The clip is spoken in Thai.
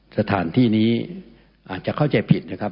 สถานที่นี้อาจจะเข้าใจผิดนะครับ